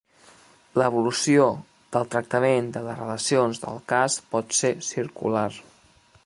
L'evolució del tractament de les relacions del cas pot ser circular.